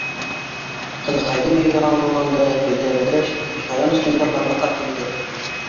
Ҡыҙыҡайҙың йөҙө алһыуланды, күҙҙәрендә шаян осҡондар барлыҡҡа килде.